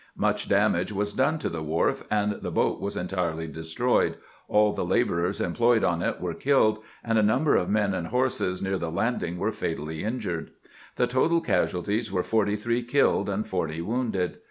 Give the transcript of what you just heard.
Much damage was done to the wharf, the boat was entirely destroyed, all the laborers employed on it were killed, and a number of men and horses near the landing were fatally injured. The total casualties were forty three killed and forty wounded.